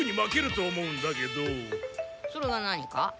それが何か？